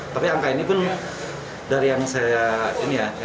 tapi angka ini pun dari yang saya ambil